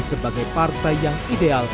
sebagai partai yang ideal